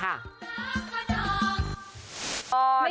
น้ำกระทอง